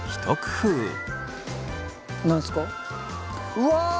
うわ！